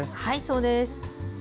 はいそうです。